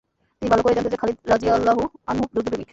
তিনি ভাল করেই জানতেন যে, খালিদ রাযিয়াল্লাহু আনহু যুদ্ধ-প্রেমিক।